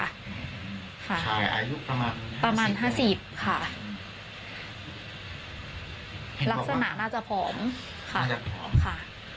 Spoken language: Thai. ค่ะชายอายุประมาณประมาณห้าสิบค่ะลักษณะน่าจะผอมค่ะน่าจะผอมค่ะ